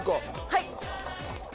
はい！